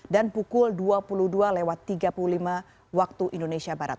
dan pukul dua puluh dua lewat tiga puluh lima waktu indonesia barat